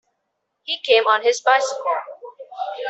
He came on his bicycle.